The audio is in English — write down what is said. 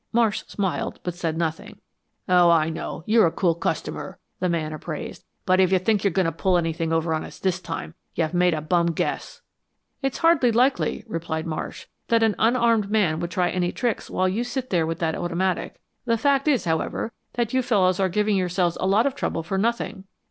Marsh smiled but said nothing. "Oh, I know you're a cool customer," the man appraised, "but if you think you're going to put anything over on us this time, you've made a bum guess." "It's hardly likely," replied Marsh, "that an unarmed man would try any tricks while you sit there with that automatic. The fact is, however, that you fellows are giving yourselves a lot of trouble for nothing."